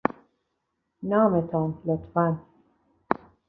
نام تان، لطفاً.